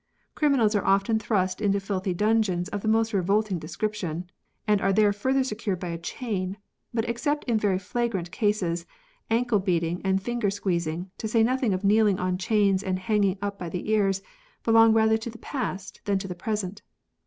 Criminals are often thrust into filthy dungeons of the most revolting description, and are there further secured by a chain ; but except in very flagrant cases, ankle beating and finger squeez ing, to say nothing of kneeling on chains and hanging up by the ears, belong rather to the past than to the present.